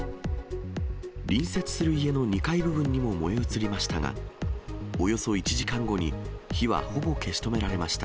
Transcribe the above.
隣接する家の２階部分にも燃え移りましたが、およそ１時間後に火はほぼ消し止められました。